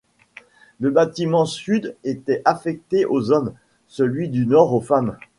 Le bâtiment sud était affecté aux hommes, celui du nord aux femmes.